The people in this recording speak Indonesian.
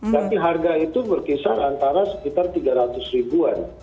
jadi harga itu berkisar antara sekitar tiga ratus ribuan